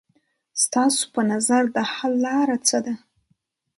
ستاسو په نظر د حل لاره څه ده؟